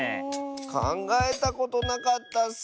かんがえたことなかったッス。